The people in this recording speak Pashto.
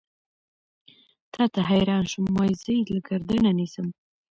تا ته حېران شوم وائې زۀ يې له ګردنه نيسم